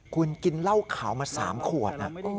คุณกินเหล้าขาวมา๓ขวด